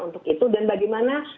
untuk itu dan bagaimana